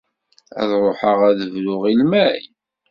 Ad ruḥeɣ ad d-bruɣ i lmal.